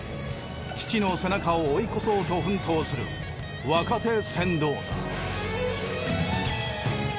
父の背中を追い越そうと奮闘する若手船頭だ。